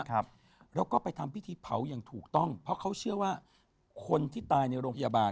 ครับแล้วก็ไปทำพิธีเผาอย่างถูกต้องเพราะเขาเชื่อว่าคนที่ตายในโรงพยาบาล